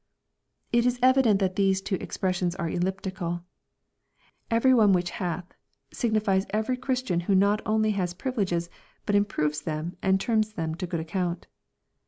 l It is evident that these two expressions are elliptical " Every one which hath," signifies every Christian who not only has privileges, but improves them and turns them to good account.